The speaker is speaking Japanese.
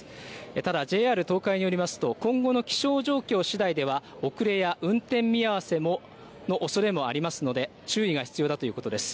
ただＪＲ東海によりますと、今後の気象状況しだいでは、遅れや運転見合わせのおそれもありますので、注意が必要だということです。